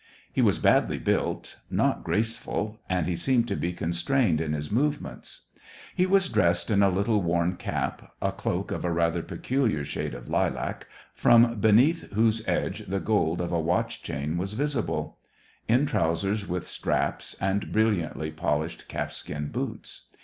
He was badly built, not graceful, and he seemed to be constrained in his movements. He was dressed in a little worn cap, a cloak of a rather peculiar shade of lilac, from beneath whose edge the gold of a watch chain was visible ; in trousers with straps, and brilliantly polished calfskin boots.